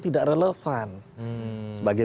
tidak relevan sebagai